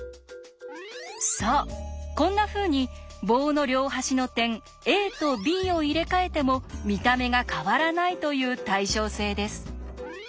そうこんなふうに棒の両端の点ＡとＢを入れ替えても見た目が変わらないという対称性です。